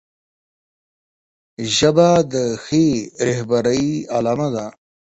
ژبه د ښې رهبرۍ علامه ده